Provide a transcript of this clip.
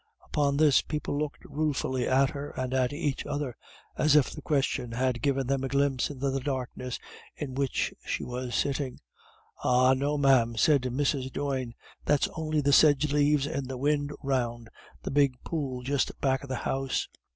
Upon this people looked ruefully at her and at each other, as if the question had given them a glimpse into the darkness in which she was sitting. "Ah, no, ma'am," said Mrs. Doyne, "that's on'y the sedge laves in the win' round the big pool just back of the house.